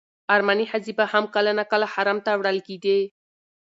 ارمني ښځې به هم کله ناکله حرم ته وړل کېدې.